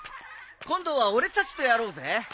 今度は俺たちとやろうぜ。